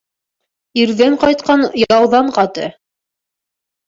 Ирҙән ҡайтҡан яуҙан ҡаты.